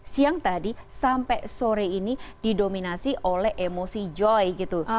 siang tadi sampai sore ini didominasi oleh emosi joy gitu